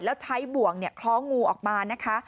แล้วใช้บ่วงคล้องงูออกมานะคะ